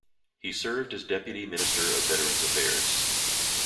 He served as Deputy Minister of Veterans' Affairs.